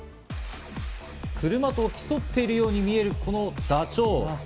車と競っているように見えるこのダチョウ。